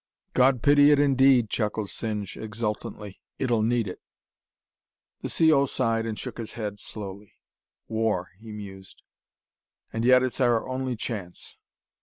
"God pity it, indeed!" chuckled Singe exultantly. "It'll need it!" The C. O. sighed and shook his head slowly. "War!" he mused. "And yet, it's our only chance."